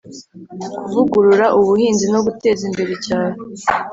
kuvugurura ubuhinzi no guteza imbere icyaro,